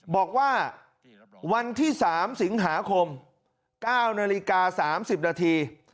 บอกว่าวันที่๓สิงหาคม๙นาฬิกา๓๐นาที